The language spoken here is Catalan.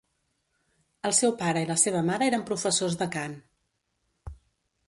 El seu pare i la seva mare eren professors de cant.